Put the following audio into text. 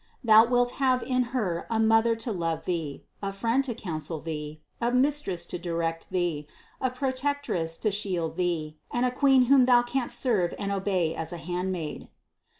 Thou wilt have in Her a Mother to love thee, a Friend to counsel thee, a Mistress to direct thee, a Protectress to shield thee and a Queen whom thou canst serve and obey as a handmaid.